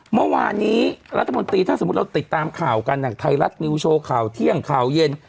เมื่อวานนี้รัฐมนตรีถ้าสมมุติเราติดตามข่าวกันไทยรัฐนิวโชว์ข่าวเที่ยงข่าวเย็น